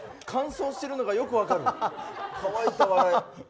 乾燥してるのがよく分かる。